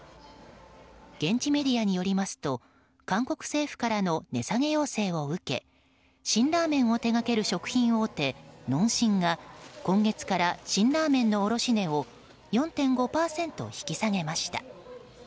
現地メディアによりますと韓国政府からの値下げ要請を受け辛ラーメンを手掛ける食品大手農心が今月から辛ラーメンの卸値を４．５％引き下げました。